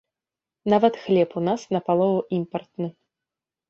Нават хлеб у нас напалову імпартны.